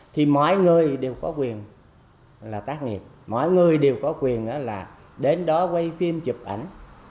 thì mọi người đều có quyền là tác nghiệp mọi người đều có quyền là đến đó quay phim chụp ảnh